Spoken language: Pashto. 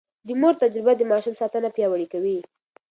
د مور تجربه د ماشوم ساتنه پياوړې کوي.